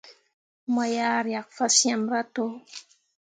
Mo yah riak fasyemme rah to.